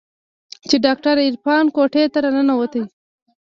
چې ډاکتر عرفان کوټې ته راننوت.